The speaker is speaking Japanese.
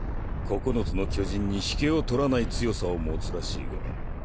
「九つの巨人」に引けを取らない強さを持つらしいが。